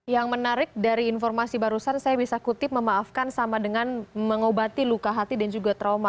yang menarik dari informasi barusan saya bisa kutip memaafkan sama dengan mengobati luka hati dan juga trauma